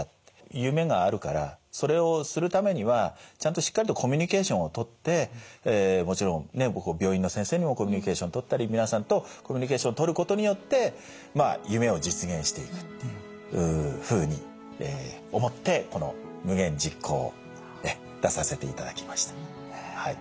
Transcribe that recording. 夢があるからそれをするためにはちゃんとしっかりとコミュニケーションを取ってもちろん僕も病院の先生にもコミュニケーションを取ったり皆さんとコミュニケーションを取ることによってまあ夢を実現していくっていうふうに思ってこの夢言実行を出させていただきました。